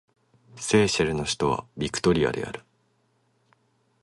セーシェルの首都はビクトリアである